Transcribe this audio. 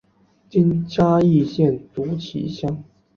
今嘉义县竹崎乡。